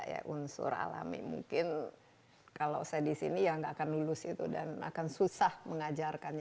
ya unsur alami mungkin kalau saya disini yang akan lulus itu dan akan susah mengajarkannya